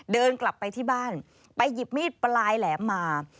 เดินกลับไปที่บ้านไปหยิบมีดปลายแหลมมา